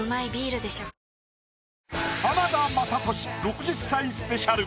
浜田雅功６０歳スペシャル。